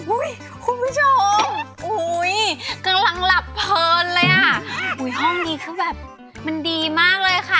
คุณผู้ชมอุ้ยกำลังหลับเพลินเลยอ่ะอุ้ยห้องนี้คือแบบมันดีมากเลยค่ะ